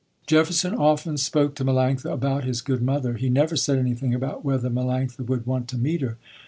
Jefferson often spoke to Melanctha about his good mother. He never said anything about whether Melanctha would want to meet her.